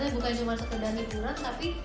bukan cuma sekedar liburan tapi